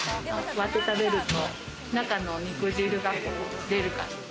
割って食べると、中の肉汁がでる感じ。